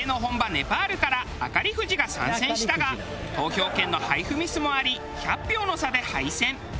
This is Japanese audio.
ネパールから明り富士が参戦したが投票券の配布ミスもあり１００票の差で敗戦。